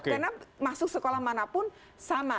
karena masuk sekolah mana pun sama